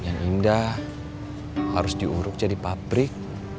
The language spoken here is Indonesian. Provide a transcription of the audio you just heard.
yang indah harus diuruk jadi pabrik